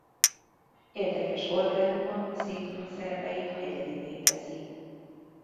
Érdekes orgánuma szinkronszerepeit egyedivé teszi.